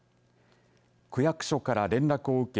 区役所から連絡を受け